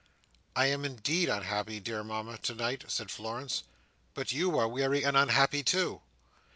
"I am indeed unhappy, dear Mama, tonight," said Florence. "But you are weary and unhappy, too."